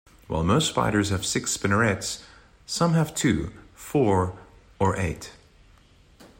While most spiders have six spinnerets, some have two, four, or eight.